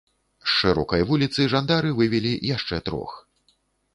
З шырокай вуліцы жандары вывелі яшчэ трох.